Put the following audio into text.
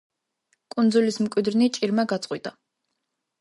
კუნძულის მკვიდრნი ჭირმა გაწყვიტა.